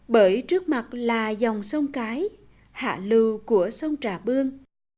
bởi trước mặt là dòng sông cái hạ lưu của sông trà bương